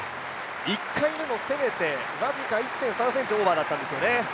１回目も攻めて僅か１．３ｃｍオーバーだったんですよね。